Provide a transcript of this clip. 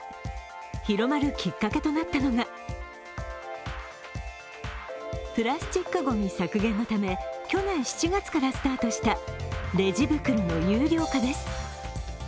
広まるきっかけとなったのがプラスチックごみ削減のため、去年７月からスタートしたレジ袋の有料化です。